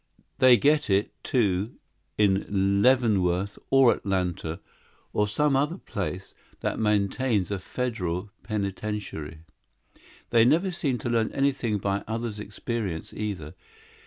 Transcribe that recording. They get it, too, in Leavenworth or Atlanta or some other place that maintains a federal penitentiary. "They never seem to learn anything by others' experience, either.